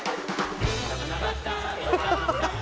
ハハハハハ。